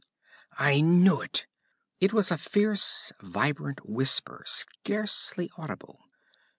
'I knew it!' It was a fierce, vibrant whisper, scarcely audible.